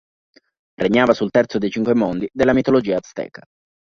Regnava sul terzo dei cinque mondi della mitologia azteca.